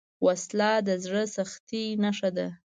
وسله د زړه سختۍ نښه ده